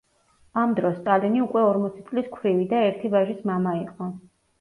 ამ დროს სტალინი უკვე ორმოცი წლის ქვრივი და ერთი ვაჟის მამა იყო.